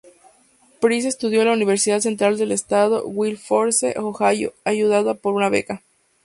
Price estudió en la Universidad Central del Estado, Wilberforce, Ohio, ayudada por una beca.